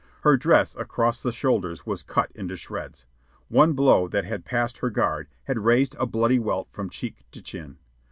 Her dress across the shoulders was cut into shreds. One blow that had passed her guard, had raised a bloody welt from cheek to chin.